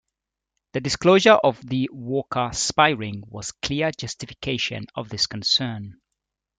The disclosure of the Walker spy ring was clear justification of this concern.